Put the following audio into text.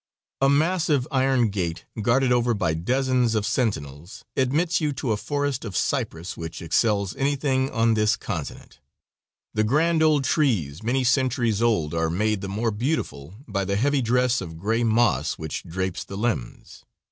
A massive iron gate, guarded over by dozens of sentinels, admits you to a forest of cypress which excels anything on this continent. The grand old trees, many centuries old, are made the more beautiful by the heavy dress of gray moss which drapes the limbs.